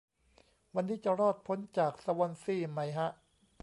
วันนี้จะรอดพ้นจากสวอนซีไหมฮะ